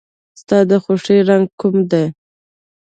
ستا د خوښې رنګ کوم دی؟